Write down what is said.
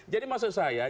jadi maksud saya